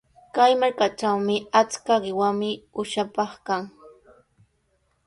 Kay markatrawqa achka qiwami uushapaq kan.